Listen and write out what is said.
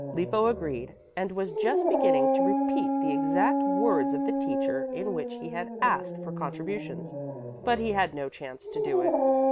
Lippo agreed and was just beginning to repeat the exact words of the teacher in which he had asked for contributions. But he had no chance to do it.